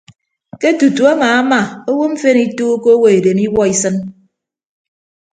Ke tutu amaama owo mfen ituukọ owo edem iwuọ isịn.